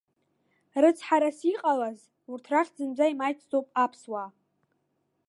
Рыцҳарас иҟалаз, урҭ рахьтә зынӡа имаҷӡоуп аԥсуаа.